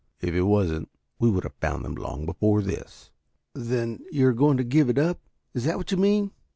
If it wasn't, we would have found them long before this." "Then you are going to give it up? Is that what you mean?"